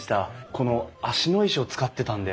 この芦野石を使ってたんで。